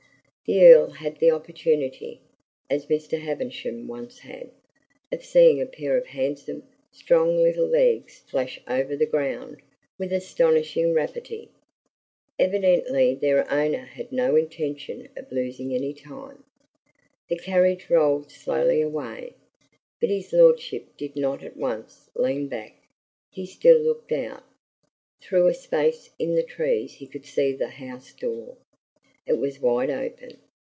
The Earl had the opportunity as Mr. Havisham once had of seeing a pair of handsome, strong little legs flash over the ground with astonishing rapidity. Evidently their owner had no intention of losing any time. The carriage rolled slowly away, but his lordship did not at once lean back; he still looked out. Through a space in the trees he could see the house door; it was wide open.